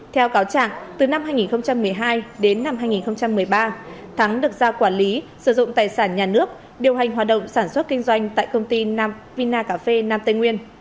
theo cáo trạng từ năm hai nghìn một mươi hai đến năm hai nghìn một mươi ba thắng được giao quản lý sử dụng tài sản nhà nước điều hành hoạt động sản xuất kinh doanh tại công ty vina cà phê nam tây nguyên